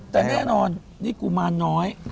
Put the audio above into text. แต่แน่นอนนี่กุมารน้อย